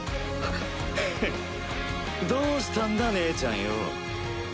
ヘッどうしたんだ姉ちゃんよ。